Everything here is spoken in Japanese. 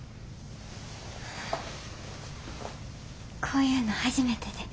こういうの初めてで。